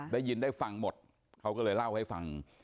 ได้ยินได้ฟังหมดเขาก็เลยเล่าให้ฟัง